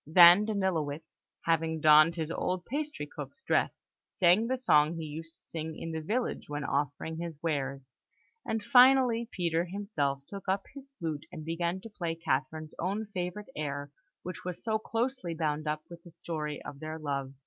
Then Danilowitz, having donned his old pastry cook's dress, sang the song he used to sing in the village when offering his wares; and finally, Peter himself took up his flute, and began to play Catherine's own favourite air, which was so closely bound up with the story of their love.